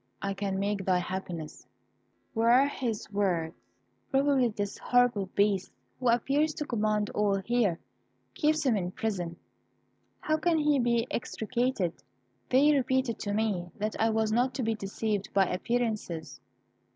"'I can make thy happiness,' were his words. Probably this horrible Beast, who appears to command all here, keeps him in prison. How can he be extricated? They repeated to me that I was not to be deceived by appearances.